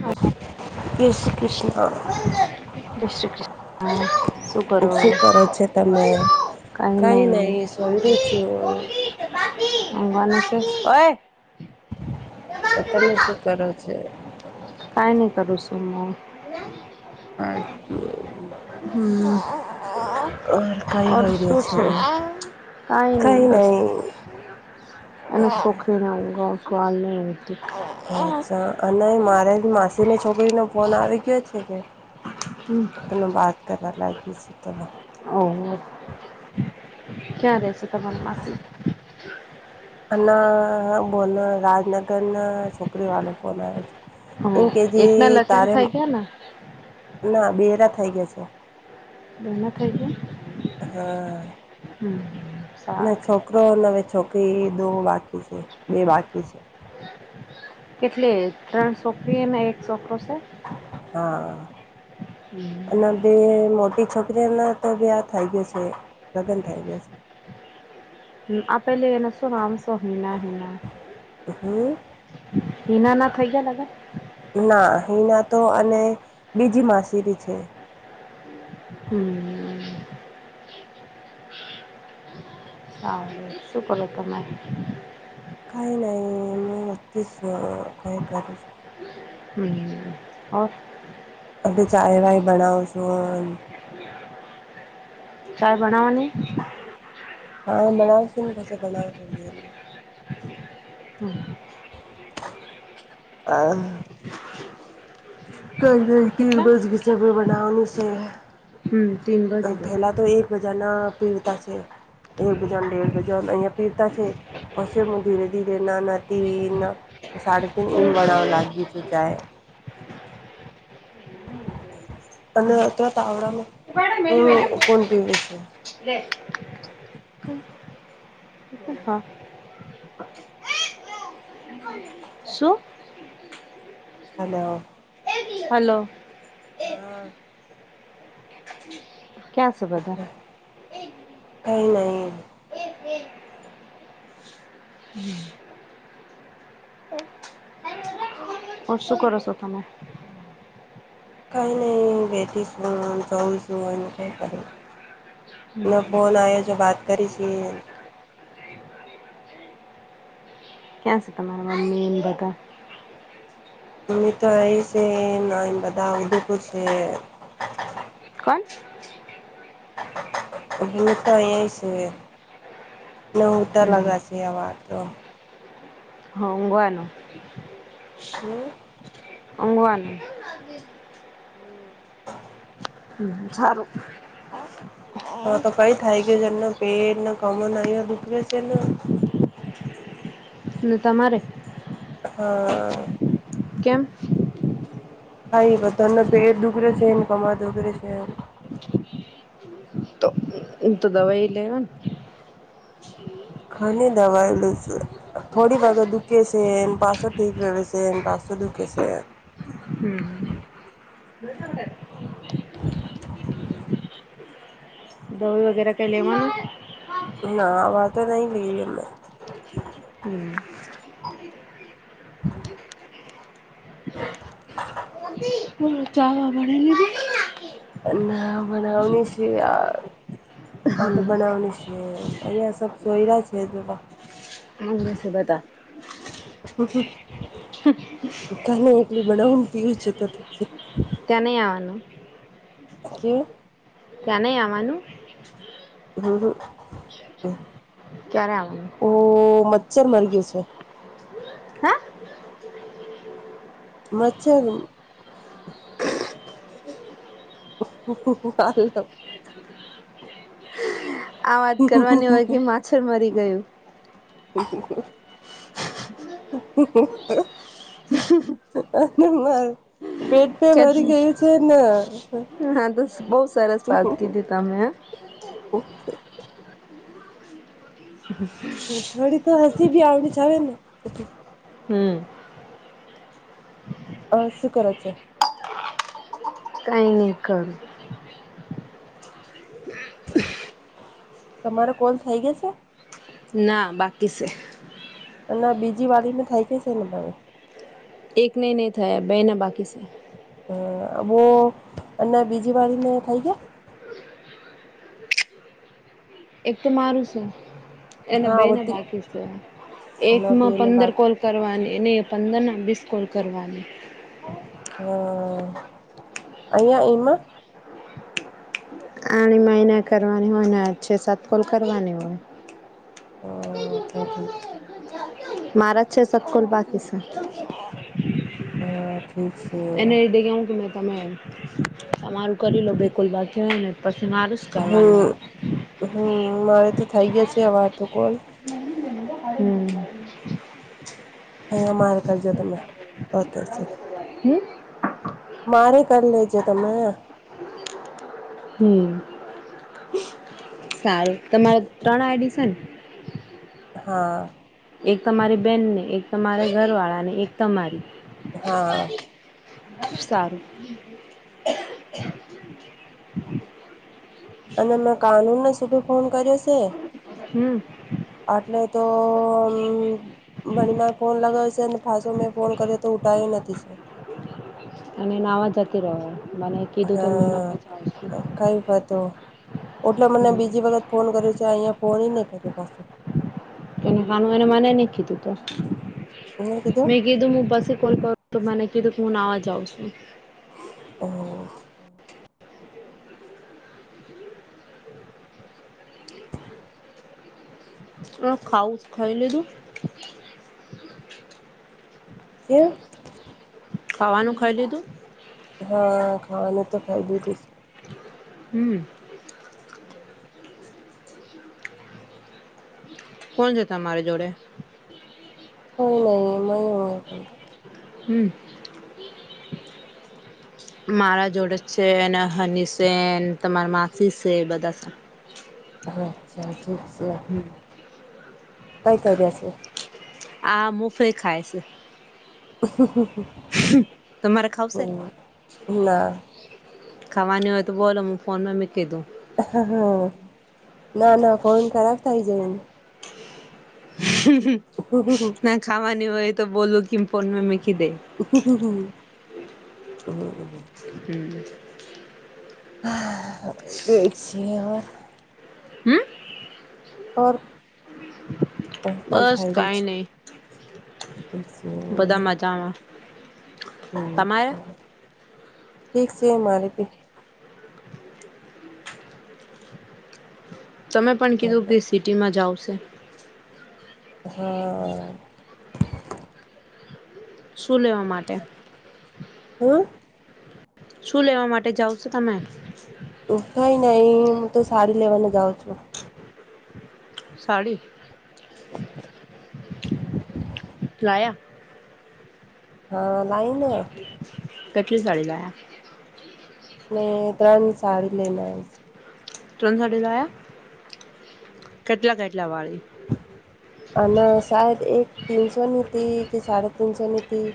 [unintelligible] શ્રી જય કૃષ્ણ શ્રી કૃષ શું શુ કરો છો તમે કરો? કઈ નહીં, શોયરી છું. બાકી બાકી, [unintelligible] ઓયે તમે શું કરો છો? કાઈ નહીં કરુંશુ મુ [unintelligible] હમ્મ હોય ઓર રહ્યો શું છે? કાઈ નહીં, કઈ બસ. નહી આલે શોકરીને ઊંઘાવુશુ આ નથી ઊંઘતી અચ્છા, અને મારી માસીની છોકરીને ફોન આવી ગયો છે કે હમ્મ એમને વાત કરવા લાગી છે તોમે ઓ, ક્યાં રેશે તમારી માસી? અના બોના, રાજનગરના છોકરી વાલુ ફોન આયો છે. ઓહો એમ એકના કેજી લગ્ન તારા મ થઈ ગયા ને ના બેરાં થઈ ગયા છે. એ ખાઈ ગયો. હમ્મ એનો છોકરો નવે છોકરી દો બાકી છે. બે બાકી છે. કેટલી ત્રણ છોકરીઓ ને એક છોકરા છે? હા અને આમ તે મોટી છોકરીને તો બ્યા થઈ ગયો છે, લગ્ન થઈ ગયો છે. હમ્મ આપ પે લ એના શું આમ શો હિના હિના છે હમ હિના ના થઇ ગયા લગ્ન? ના હિના તો અને બીજી માસીરી છે. હમ્મ હાલે શુ કરો તમે? કઈ નહીં હું નથી શુ કઈ કરું છું હમ્મ ઓર અદી ચાય વાય બનાવુ છું. ચાય બનાવો ની હા બણાવશું ને પછી બનાવુ થોડી દેર મે હમ્મ હા કઈ કઈ તીન કેટલા રોજ ઘીચભી બના ની હમ તીન બજે ગઈ પેલા તો એકબજા ના પીડતા છે એક વજન દેઢ વજન અહિયાયા પીરતા છે પછી હું ધીરે ધીરે ના નથી સાડ તન ઈમ વણ લાગી છું ચહે અને અ ત તાવડામાં વલી વલી હમ કોણ પીવે છે હા શું? હલો હલો હા [unintelligible] ક્યાંસ બધ કઈ નહી હમ. [unintelligible] હ શું કર છો તમે? કાંઈ નહીં બેઠી છું જોઉં છું એને કાઈ ક્યું હમ ના ફોન આયા જો બાત કરી છીએ ક્યાં છે તમારા મમ્મી એને બધા મ તો એં છે ન બધા ઉદયપુર છે કોણ? એ તો એ છે ન હુતા લગ હમ છે આ તો હોંગનું હમ્મ ઊંઘવાની હમ્મ હ સારું હ તો કઈ થાય કે એમના પેટ કમળ અહીં દુખરે છે ને અને તમારે હા કેમ ખાાઈ તને પેટ દગરે છે ને કમર દગરે છેને હ તો દવાઈ લેવા ને ઘણી દવાયલુંસર થોડી વાગ દુખે છે એન પાસો ઠીક રહે છે એ પાસો દુખે છે હમ બને [unintelligible] દવી વગેરે કેલી મ ના વા તો નહી લીલી મેં હમ્મ [inaudible] [unintelligible] ચા વા બનાવી લીધી ના બનાવની છે હા તો બનાવની છે જે અહીયા સબ સોય રહ છેબ હમે છે બતા [unintelligible] [unintelligible] કાલે એટલે બનાવું પીવું છું તો ઠીક છે. તો ની આવવાનું. કે ત્યાં નહી આવાનું? [unintelligible] ક્યારે આવાની? ઓ મચ્છર મરી ગયું છે. હ?? મચ્છર [unintelligible] આ વાત કરવાની હોય કે માછર મરી ગયું. [inaudible] [unintelligible] તે બરી કેટલી ગયું છે ને હા તો બહુ સરસ વાત કીધી તમે હે. [unintelligible] થોડી તો હસી બી આવડી જાવે ને [unintelligible] હમ. અ શું કર છે? એક જ તમારો કોલ થઇ ગયો છે? ના બાકી છે. અને બીજી વાઈરીનું થઈ ગયું છે ને પણ. એકનેય નય થયા બેયને બાકી છે. હ બો અને બીજી વારીને થઈ ગયા? એક તો મારું છે. એને બે હા ને હોતી બાકી છે. અને એકમાં બેને પંદર બાકી કોલ કરવાની ને પંદર ના બીસ કોલ કરવાની. હ.. અહીંયા ઈમાં આણી માય એને કરવાની હોય ને છે-સાત કોલ કરવાની હોય. ઓ તો ઠીક છે. મારા જ છ સાત કોલ બાકી છે. હા ઠીક છે એને [unintelligible] એતે કે હું કે મે તમે તમારું કરી લો બે કોલ બાકી હોય ને પછી મારું કરવાનું હોય હમ હમ મારે તો થઈ ગયા છે આ તો કોલ હમ. અહીંયા મારે કરજો તમે. ઓકે છે. હમ મારે કરી લેજો તમે. હમ સારું તમારે ત્રણ આઈ ડી સન? હા. એક તમારી બેન ને એક તમારા ઘરવાળા ને એક તમારી. હા સારું અને મેં કાનૂનને સીધો ફોન કર્યો છે. હમ આટલે તો અમ બેનને ફોન લગાવે છે ને પાછો મેં ફોન કર્યો તો ઉઠાયો નથી છે. અને નાવા જતી રહો અને હા કઈ વાતો ઓટલે મને બીજી વખત ફોન કર્યો છે અહીંયા ફોન નનેં કર્યું પાછું ને ખ એને મનેખીધું તો મે કીધું મુું પાસે કોલ તો મને કીધું કે હું નાવા જઉ છું અને હમા હ ખાવ ખાઈ લીધું કે ખાવાનું ખાઈ લીધું હા ખાની તો ખાઈ લીધ હમ કોણ છે તમારી જોડે કોઈ નહીં હ હમ મારા જોડે છે હની સ તમારા માસી છે બધા અચ્છા જી છે હમ કઈ ક રહ્યા છે આ મુફે ખાય છે હ હ હ તમારે ખાવશે ના ખાવાની હોય તો બોલો હ ફોનમાં મેં કીધું હા ના ના ફોન ખરાબ થઇ જાયને ના ખવાની હોય તો બું કમ ફન મેમીખી દે હ હમ બેકસીયાર હમ ઓ આતા બસ થાય જ કઈ છે નહી એ આ હ અચ્છા ઠીક છે મારે પ તમે પણ કીધું કે સિટીમાં જાવશે હા શું લેવા માટે હા શું લેવા માટે જાાવ છો તમે થઈ નઈ હું તો સાડી લેવાને જાઉં છું સાડી હમ ફલાયા હા લાઈન કેટલી સાડીી લાયા મે ત્રણ સાડી લેના ત્રણસયા છું કેટલા કેટલા વાળી અને ના શાયદ એક તીનસોની તથી કે સાડે તનસોની તથી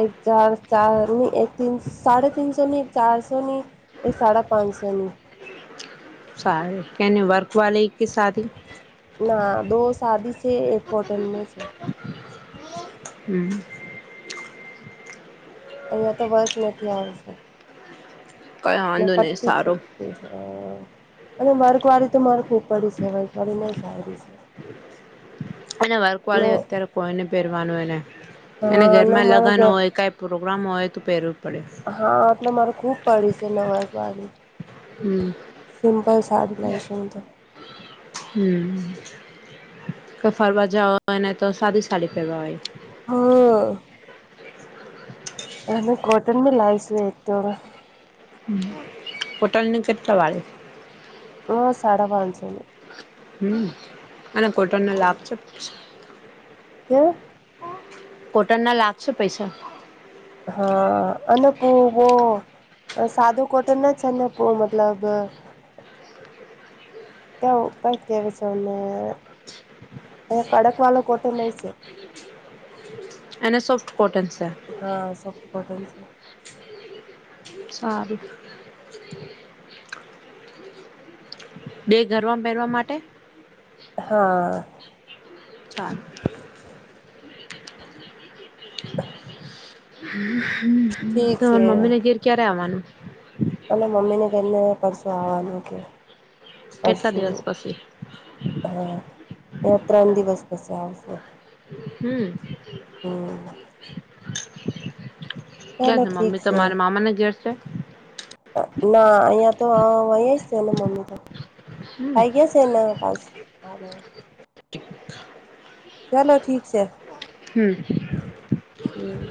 એક ચાર ચાર ની એકન સાડ તનસો ની ચારસો ની એ સાડા પાંચસો ની સાર કેને વર્ક વાે કે સાથી ના દ શદી છે એક કોટન મે છે હમ અહીંયા તો વર્ક નથી આવશે કઈ વાંધો નહી પ્ટી છે સારો અને વર્કવાળી તો મારે ઉપડી છે વર્ગવાળીને સારી છે અને વર્ક વાળી અત્યારે કોઈને પહેરવાનું એને અને હા ઘરમાં લગ્ન મારે હોય કાઈ પ્રોગ્રામ હોય તો પહેરવું પડે હા એટલે મારે ખુબ પડી છે નવારકવાની હમ સિમપલ સાડી લઈ શુંંધ હમ કઈ ફરવા જવા હોય ને તો સાદી સાડી ફેરવા હોય હા હ ક કોટન મે લાઈઇશું એક તો હોટલ નું કેટલા વાળું હ સાડા પાંસોને હમ અને કોટને લાભ છે કે્યા કોટન ના લાગશે પૈસા હા અનેનપુવો સાદો કોટન ના છ ને પો મતલબ હ ક્યા ક કે વિ છેને એ કડક વાળો કોટો નહી છે એના સાોફ્ટ કોટન છે હા સોફ્ટ કોટન છે સારું બે ઘરમાં પહેરવા માટે હા ન [inaudible] ઠીક તમારા છે મમ્મીને ઘેર ક્યારે આવવાનું અને મમ્મી ને કરીને પરસો આવવાનું કે કેટલા પરશુ દિવસ પછી હા એ ત્રણ દિવસ પછી આવશ હમ હમ ક ચાલો ઠીક મમ્મી તો છે તમારા મામા ને ઘેર છે ના અહિયાં તો અહી છેને મમ્મી તો હમ થઈયા છે એના પાસ ચાલો ઠીક છે હમ હમ